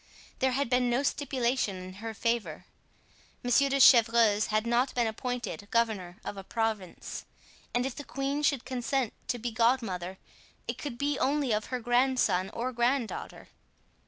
There had been no stipulation in her favor. Monsieur de Chevreuse had not been appointed governor of a province, and if the queen should consent to be godmother it could be only of her grandson or granddaughter.